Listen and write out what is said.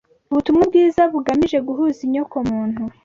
Ubutumwa bwiza bugamije guhuza inyokomuntu